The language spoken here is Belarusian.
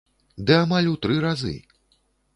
Ды амаль у тры разы!